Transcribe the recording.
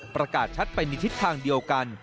ประกาศชัดไปในทิศทางเดียวกัน